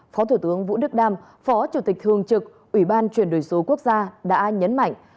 phó thủ tướng vũ đức đam phó chủ tịch thường trực ủy ban chuyển đổi số quốc gia đã nhấn mạnh